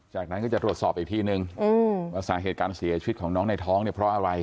จากนั้นก็จะตรวจสอบอีกทีนึงว่าสาเหตุการเสียชีวิตของน้องในท้องเนี่ยเพราะอะไร